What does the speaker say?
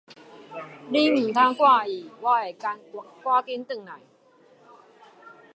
你毋通掛意，我會趕緊轉來